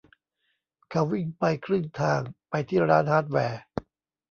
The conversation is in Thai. เขาวิ่งไปครึ่งทางไปที่ร้านฮาร์ดแวร์